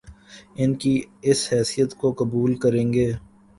ان کی اس حیثیت کو قبول کریں گے